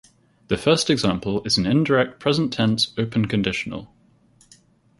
The first example is an indirect present tense open conditional.